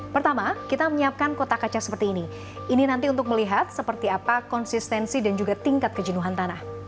pertama kita menyiapkan kotak kaca seperti ini ini nanti untuk melihat seperti apa konsistensi dan juga tingkat kejenuhan tanah